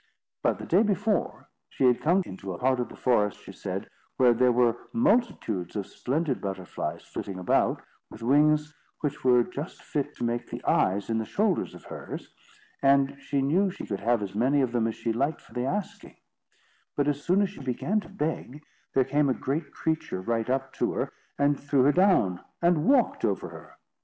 But the day before, she had come into a part of the forest, she said, where there were multitudes of splendid butterflies flitting about, with wings which were just fit to make the eyes in the shoulders of hers; and she knew she could have as many of them as she liked for the asking; but as soon as she began to beg, there came a great creature right up to her, and threw her down, and walked over her.